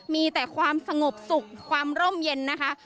มีแต่ความสงบสุขความร่มเย็นนะคะ